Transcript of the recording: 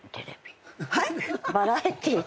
バラエティー。